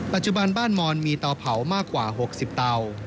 ปัจจุบันบ้านมอนมีเตาเผามากกว่า๖๐เตา